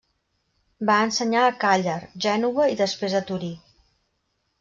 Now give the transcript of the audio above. Va ensenyar a Càller, Gènova i després a Torí.